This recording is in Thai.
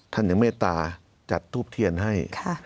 ท่านยังเมตตาจัดทูบเทียนให้